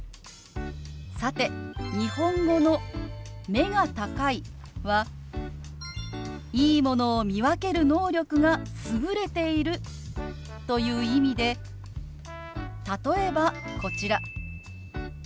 さて日本語の「目が高い」は「いいものを見分ける能力が優れている」という意味で例えばこちら。